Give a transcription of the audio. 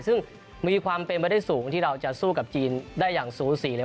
ซึ่งมีความเป็นไปได้สูงที่เราจะสู้กับจีนได้อย่างสูสี